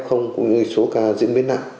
cũng như số ca diễn biến nặng